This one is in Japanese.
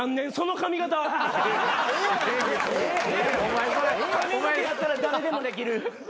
髪の毛あったら誰でもできる。